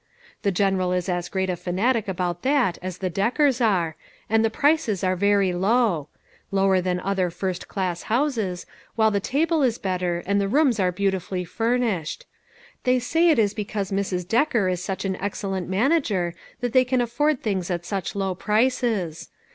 The General is as great a fanatic about that as the Deckers are, and the prices are very low lower than other first class houses, while the table is better, and the rooms are beautifully furnished. They say it is because Mrs. Decker is such an excellent manager that they can afford things at such low prices.